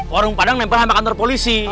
warung padang nempel sama kantor polisi